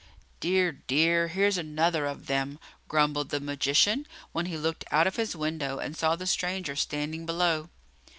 "Dear, dear! Here 's another of them!" grumbled the magician, when he looked out of his window and saw the stranger standing below.